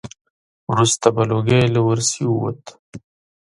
وروسته به لوګی له ورسی ووت.